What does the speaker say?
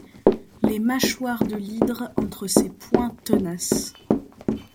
Les mâchoires de l'hydre entre ses poings tenaces